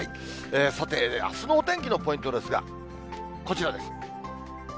さて、あすのお天気のポイントですが、こちらです。